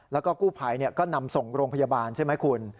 แล้วก็กู้ภัยก็นำส่งโรงพยาบาลใช่ไหมคุณ